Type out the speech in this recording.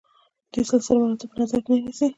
دوی سلسله مراتب په نظر کې نه نیسي.